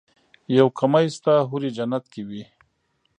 يو کمی شته حورې جنت کې وي.